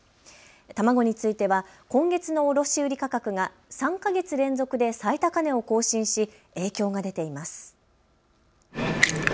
卵については今月の卸売価格が３か月連続で最高値を更新し影響が出ています。